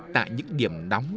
tại những điểm đóng